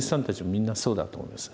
みんなそうだと思います。